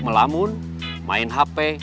melamun main hp